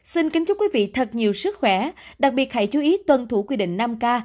xin kính chúc quý vị thật nhiều sức khỏe đặc biệt hãy chú ý tuân thủ quy định năm k